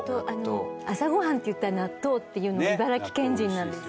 朝ご飯といったら納豆っていうのは茨城県人なんですよ。